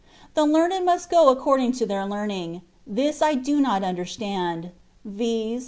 The learned must go according to their learning : this I do not understand, viz.